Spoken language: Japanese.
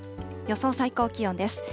予想最高気温です。